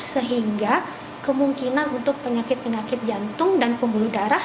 sehingga kemungkinan untuk penyakit penyakit jantung dan pembuluh darah